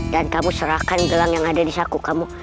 dan kamu serahkan gelang yang ada di saku kamu